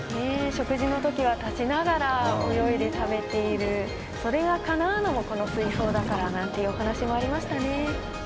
食事のときは立ちながら泳いで食べているそれがかなうのもこの水槽だからなんていうお話もありましたね。